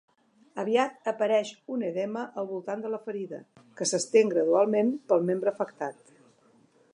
Aviat apareix un edema al voltant de la ferida, que s'estén gradualment pel membre afectat.